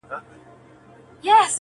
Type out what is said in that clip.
خپل شناخته رامعرفي کړی و